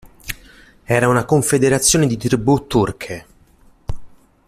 Era una confederazione di tribù turche.